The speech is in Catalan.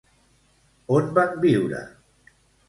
On van a viure?